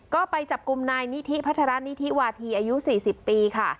ก็ไปจับกลุ่มนายนิธิพัฒระนิธิวาธีอายุ๔๐ปีค่ะ